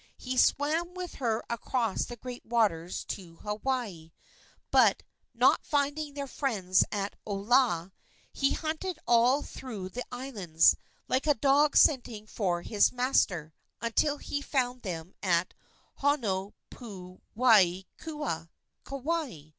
He swam with her across the great waters to Hawaii, but, not finding their friends at Olaa, he hunted all through the islands, like a dog scenting for his master, until he found them at Honopuwaiakua, Kauai.